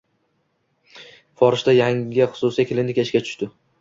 Forishda yangi xususiy klinika ishga tushdi